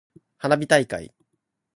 花火大会。